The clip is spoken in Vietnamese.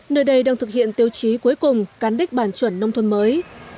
nơi đây đang thực hiện tiêu chí cuối cùng cán đích bản chuẩn nông thôn mới